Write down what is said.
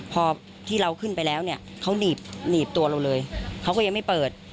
พอที่เราขึ้นไปแล้วเนี่ยเขาหนีบตัวเราเลยเขาก็ยังไม่เปิด